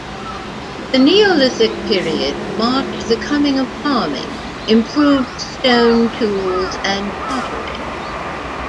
The Neolithic Period marked the coming of farming, improved stone tools and pottery.